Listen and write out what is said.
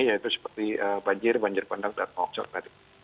yaitu seperti banjir banjir pandang dan mokso tadi